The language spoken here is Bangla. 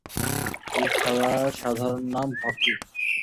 এই খেলার সাধারণ নাম হকি।